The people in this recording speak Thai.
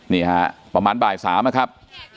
นี่ฮะประมาณบ่าย๓นะครับ